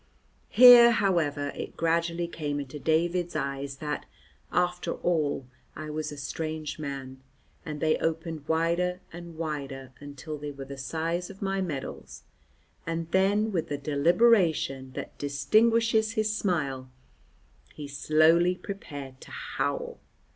Here, however, it gradually came into David's eyes that, after all, I was a strange man, and they opened wider and wider, until they were the size of my medals, and then, with the deliberation that distinguishes his smile, he slowly prepared to howl.